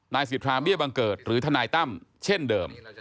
นายศิษย์ทางเบี้ยบังเกิดหรือทนายตั้มเช่นเดิม